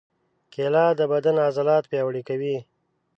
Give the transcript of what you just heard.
کېله د بدن عضلات پیاوړي کوي.